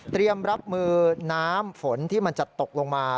รับมือน้ำฝนที่มันจะตกลงมา